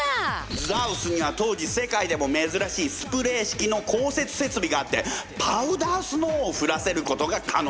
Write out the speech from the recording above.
ＳＳＡＷＳには当時世界でもめずらしいスプレー式の降雪設備があってパウダースノーをふらせることが可能だった。